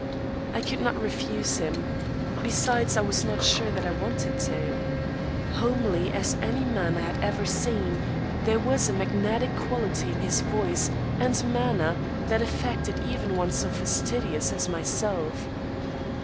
I could not refuse him; besides, I was not sure that I wanted to. Homely as any man I had ever seen, there was a magnetic quality in his voice and manner that affected even one so fastidious as myself.